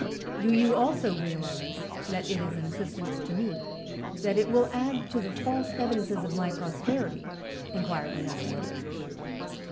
"Do you also realize that it is an assistance to me that it will add to the false evidences of my prosperity?" inquired the young man.